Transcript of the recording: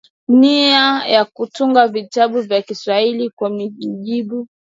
nia ya kutunga vitabu vya Kswahili kwa mujibu